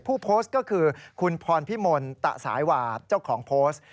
ผู้โพสต์ก็คือคุณพรพิมลตะสายหวาดเจ้าของโพสต์